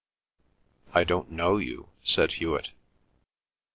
"I don't know you," said Hewet.